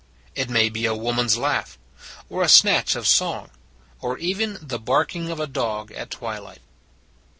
It may be a woman s laugh, or a snatch of song, or even the barking of a dog at twilight.